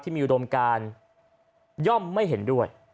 มีอุดมการย่อมไม่เห็นด้วย